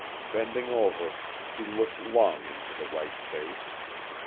Bending over, he looked long into the white face.